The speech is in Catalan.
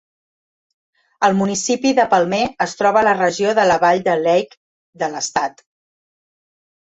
El municipi de Palmer es troba a la regió de la Vall de Lehigh de l'estat.